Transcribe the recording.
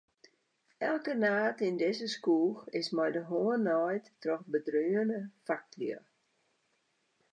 Elke naad yn dizze skoech is mei de hân naaid troch bedreaune faklju.